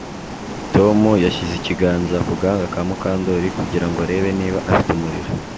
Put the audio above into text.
Tom yashyize ikiganza ku gahanga ka Mukandoli kugira ngo arebe niba afite umuriro